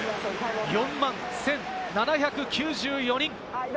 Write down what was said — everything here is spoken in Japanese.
４万１７９４人。